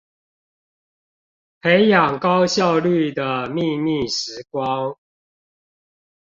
培養高效率的祕密時光